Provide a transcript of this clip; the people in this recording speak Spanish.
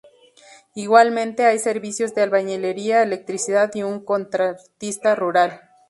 Igualmente, hay servicios de albañilería, electricidad y un contratista rural.